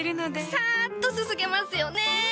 サッとすすげますよね！